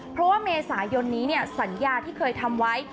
เพราะว่าเมษายนนี้สัญญาที่เคยทำไว้